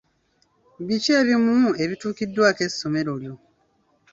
Biki ebimu ebituukiddwako essomero lyo?